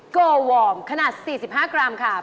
โกวอร์มขนาด๔๕กรัมค่ะ